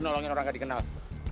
nolongin orang gak dikenal